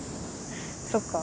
そっか。